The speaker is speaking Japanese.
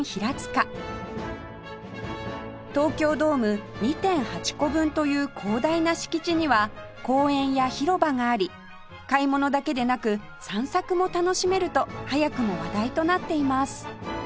東京ドーム ２．８ 個分という広大な敷地には公園や広場があり買い物だけでなく散策も楽しめると早くも話題となっています